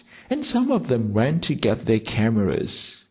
And some of them ran to get their cameras.